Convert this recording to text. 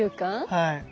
はい。